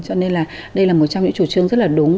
cho nên là đây là một trong những chủ trương rất là đúng